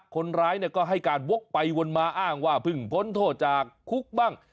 คนร้ายก็ให้การวกไปวนมาอ้างว่าเพิ่งพ้นโทษจากคุกบ้าง